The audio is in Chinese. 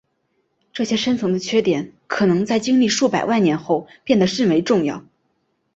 这些深层的缺点可能在经历数百万年后变得甚为重要。